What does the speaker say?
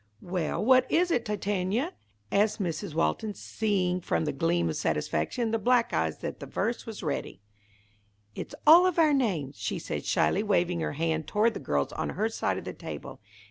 "Well, what is it, Titania?" asked Mrs. Walton, seeing from the gleam of satisfaction in the black eyes that the verse was ready. "It's all of our names," she said, shyly, waving her hand toward the girls on her side of the table.